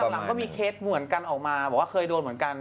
หลังก็มีเคสเหมือนกันออกมาบอกว่าเคยโดนเหมือนกัน